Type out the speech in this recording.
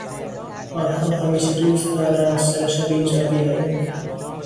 آنها همیشه دوست دارند سر شب اینجا بیایند.